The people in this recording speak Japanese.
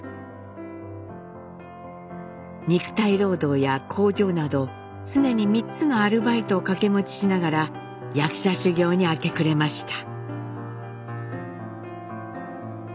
肉体労働や工場など常に３つのアルバイトを掛け持ちしながら役者修業に明け暮れました。